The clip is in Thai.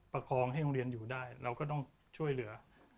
ประคองให้โรงเรียนอยู่ได้เราก็ต้องช่วยเหลือ